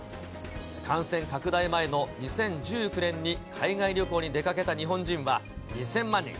感染拡大前の２０１９年に海外旅行に出かけた日本人は２０００万人。